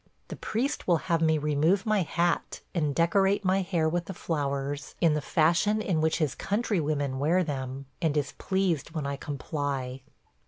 The priest will have me remove my hat and decorate my hair with the flowers in the fashion in which his countrywomen wear them, and is pleased when I comply.